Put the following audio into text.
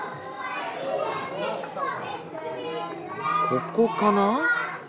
ここかな？